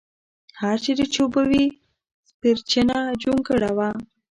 هر چېرې چې اوبه وې سپېرچنه جونګړه وه.